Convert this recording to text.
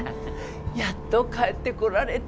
やっと帰ってこられた。